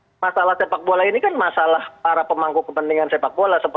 nah masalah sepak bola ini kan masalah para pemangku kepentingan sepak bola